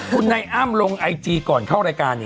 คุณนายอ้ำลงไอจีก่อนเข้ารายการ